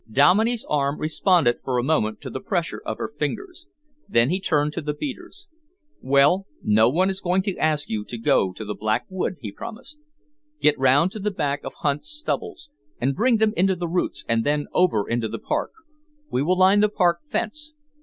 Dominey's arm responded for a moment to the pressure of her fingers. Then he turned to the beaters. "Well, no one is going to ask you to go to the Black Wood," he promised. "Get round to the back of Hunt's stubbles, and bring them into the roots and then over into the park. We will line the park fence.